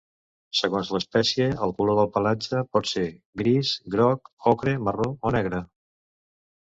Segons l'espècie, el color del pelatge pot ser oliva, gris, groc ocre, marró o negre.